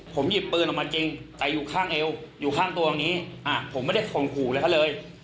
ผมหยิบปืนออกมาจริงแต่อยู่ข้างเอวอยู่ข้างตัวตรงนี้ผมไม่ได้ข่มขู่อะไรเขาเลย